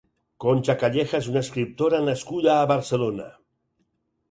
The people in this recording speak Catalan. Concha Calleja és una escriptora nascuda a Barcelona.